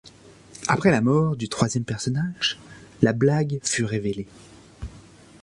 Après la mort du troisième personnage, la blague fut révélée.